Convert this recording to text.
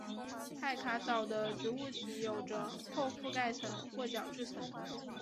派卡藻的植物体有着厚覆盖层或角质层。